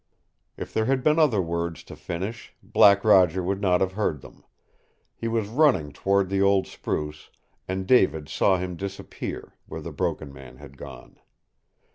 If there had been other words to finish, Black Roger would not have heard them. He was running toward the old spruce, and David saw him disappear where the Broken Man had gone.